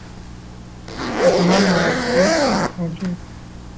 بے پناہ مواقع موجود ہیں